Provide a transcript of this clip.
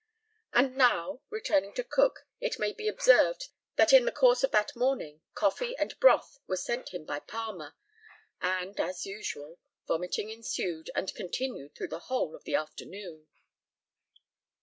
And now, returning to Cook, it may be observed that in the course of that morning coffee and broth were sent him by Palmer, and, as usual, vomiting ensued and continued through the whole of the afternoon.